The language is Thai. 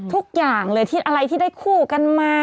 ทุกอย่างเลยที่อะไรที่ได้คู่กันมา